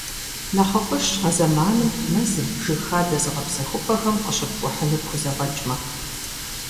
НэхъыфӀыжщ а зэманым мэзым, жыг хадэ зыгъэпсэхупӀэхэм къыщыпкӀухьыну пхузэфӀэкӀмэ.